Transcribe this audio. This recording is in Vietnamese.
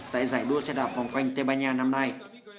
tại giải đua xe đạp vòng quanh tây ban nha năm nay